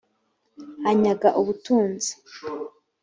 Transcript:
anyaga ubutunzi